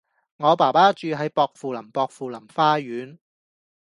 我爸爸住喺薄扶林薄扶林花園